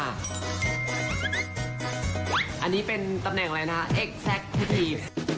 อันนี้เป็นตำแหน่งอะไรนะคะเอ็กซักพี่พี่